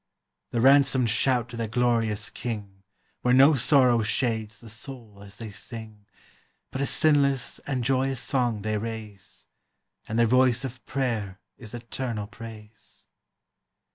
The ransomed shout to their glorious King, Where no sorrow shades the soul as they sing; But a sinless and joyous song they raise, And their voice of prayer is eternal praise.